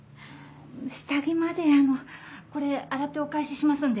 下着まであのこれ洗ってお返ししますんで。